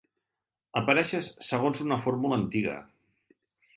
Apareixes segons una fórmula antiga.